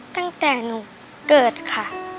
ตั้งแต่หนูเกิดค่ะ